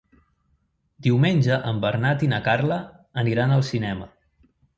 Diumenge en Bernat i na Carla aniran al cinema.